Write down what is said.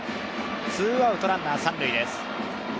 ツーアウトランナー三塁です。